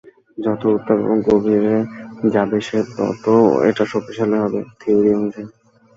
যত উত্তাপ এবং গভীরে যাবে সে, ততো এটা শক্তিশালী হবে, থিউরী অনুযায়ী!